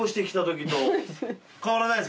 変わらないです。